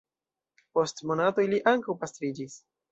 Post monatoj li ankaŭ pastriĝis.